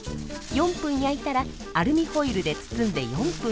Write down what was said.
４分焼いたらアルミホイルで包んで４分。